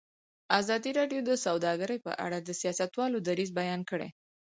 ازادي راډیو د سوداګري په اړه د سیاستوالو دریځ بیان کړی.